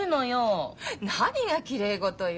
何がきれい事よ。